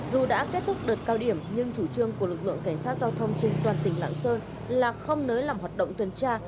dù đã kết thúc đợt cao điểm nhưng chủ trương của lực lượng cảnh sát giao thông trên toàn tỉnh lạng sơn là không nới lỏng hoạt động tuần tra